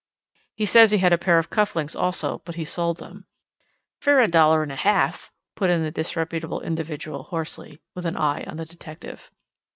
"He says he had a pair of cuff links also, but he sold them—" "Fer a dollar'n half," put in the disreputable individual hoarsely, with an eye on the detective.